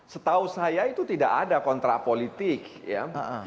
setahu saya itu tidak ada kontrak politik ya